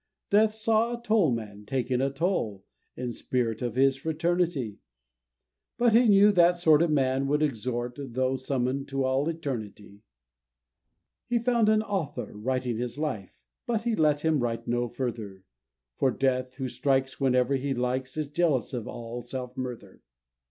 Death saw a toll man taking a toll, In the spirit of his fraternity; But he knew that sort of man would extort, Though summon'd to all eternity. He found an author writing his life, But he let him write no further; For Death, who strikes whenever he likes, Is jealous of all self murther!